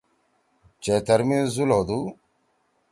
چیتر می زُل ہودُو۔